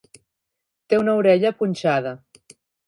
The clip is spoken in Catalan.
Té una orella punxada.